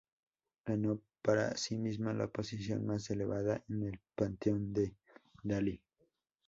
Ganó para sí misma la posición más elevada en el panteón de Dalí.